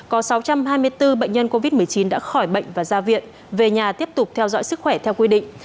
có sáu trăm hai mươi bốn bệnh nhân covid một mươi chín đã khỏi bệnh và ra viện về nhà tiếp tục theo dõi sức khỏe theo quy định